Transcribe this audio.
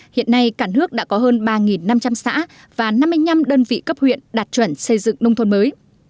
hiện nay cả nước đã có hơn ba năm trăm linh xã và năm mươi năm đơn vị cấp huyện đạt chuẩn xây dựng nông thôn mới